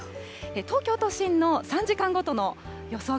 東京都心の３時間ごとの予想